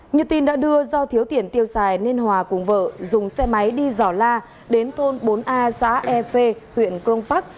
như tin đã đưa do thiếu tiền tiêu xài nên hòa cùng vợ dùng xe máy đi giỏ la đến thôn bốn a xã e phê huyện cron park